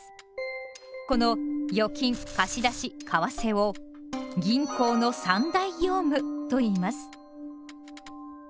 この「預金」「貸出」「為替」を「銀行の三大業務」といいます。